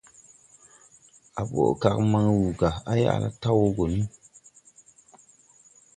A boʼ kag man wuu ga, à yaʼ la taw wo go ni.